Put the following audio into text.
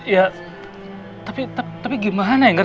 ya tapi gimana ya ngerti